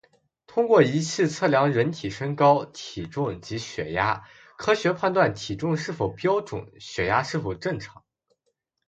通过仪器测量人体身高、体重及血压，科学判断体重是否标准、血压是否正常